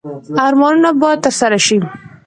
ارمانونه باید ترسره شي